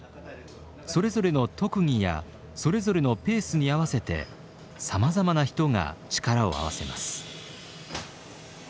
それぞれの特技やそれぞれのペースに合わせてさまざまな人が力を合わせます。